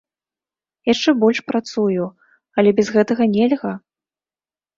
Яшчэ больш працую, але без гэтага нельга.